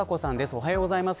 おはようございます。